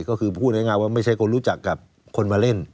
ก็คือพูดง่ายว่าไม่ใช่คนรู้จักกับคนมาเล่น